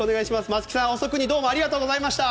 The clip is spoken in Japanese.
松木さん遅くにありがとうございました。